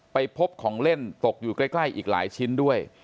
ไปพบของเล่นตกอยู่ใกล้อีกหลายชิ้นด้วย